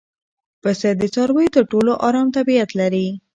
پسه د څارویو تر ټولو ارام طبیعت لري.